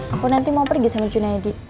aku nanti mau pergi sama junaidi